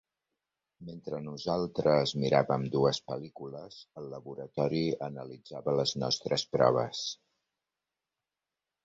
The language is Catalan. Mentre nosaltres miràvem dues pel·lícules, el laboratori analitzava les nostres proves.